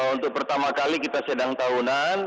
untuk pertama kali kita sedang tahunan